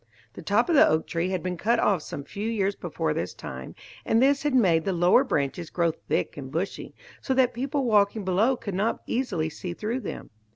The top of the oak tree had been cut off some few years before this time, and this had made the lower branches grow thick and bushy, so that people walking below could not easily see through them.